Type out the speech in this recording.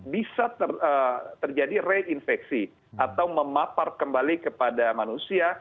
bisa terjadi reinfeksi atau memapar kembali kepada manusia